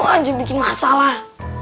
aja bikin masalah